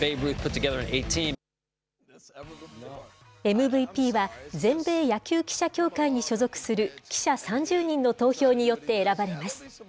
ＭＶＰは、全米野球記者協会に所属する記者３０人の投票によって選ばれます。